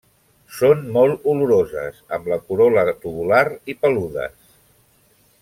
Són molt oloroses, amb la corol·la tubular i peludes.